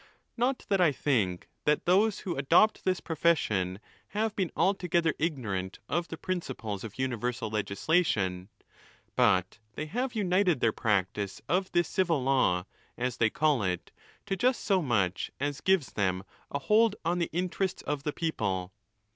Not that 1 think that those who adopt this profession have been altogether ignorant of the principles of universal legislation, but they have united their _ practice of this civil law, as they call it, to just so much as | gives them a hold on the interests of the people.